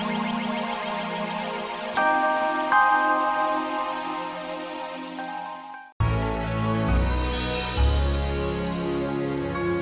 tante tante suka berubah